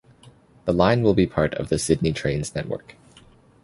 The line will be part of the Sydney Trains network.